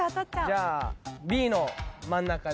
じゃあＢの真ん中で。